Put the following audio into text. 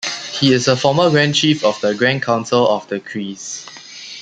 He is a former Grand Chief of the Grand Council of the Crees.